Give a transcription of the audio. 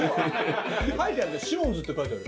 書いてあるシモンズって書いてある。